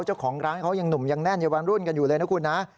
เจ้าของร้านเขายังหนุ่มยังแน่นในวันรุ่นกันอยู่เลยนะคุณนะ